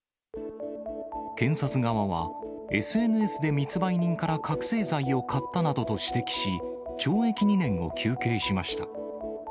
検察側は、ＳＮＳで密売人から覚醒剤を買ったなどと指摘し、懲役２年を求刑しました。